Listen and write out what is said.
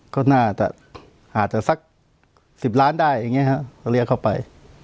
ก็น่าจะสัก๑๐ล้านก็ได้